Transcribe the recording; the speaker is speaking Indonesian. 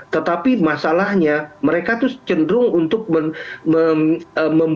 tetapi masalahnya mereka cenderung untuk membuat kompetisi